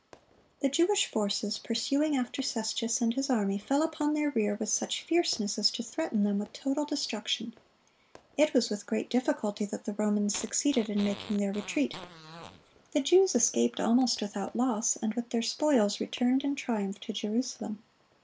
The Jewish forces, pursuing after Cestius and his army, fell upon their rear with such fierceness as to threaten them with total destruction. It was with great difficulty that the Romans succeeded in making their retreat. The Jews escaped almost without loss, and with their spoils returned in triumph to Jerusalem.